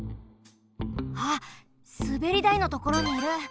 ああすべりだいのところにいる。